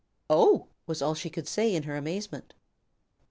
"Oh!" was all she could say in her amazement.